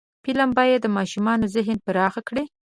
فلم باید د ماشومانو ذهن پراخ کړي